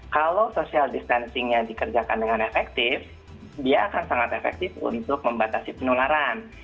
kalau social distancingnya dikerjakan dengan efektif dia akan sangat efektif untuk membatasi penularan